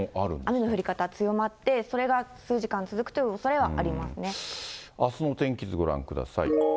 雨の降り方、強まって、それが数時間続くというおそれありまあすの天気図ご覧ください。